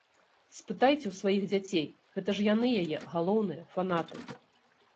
Спытайце ў сваіх дзяцей, гэта ж яны яе галоўныя фанаты!